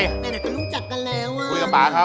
แล้วเขาลุกจัดกันแล้วอ่ะคุยกับป๊าเขา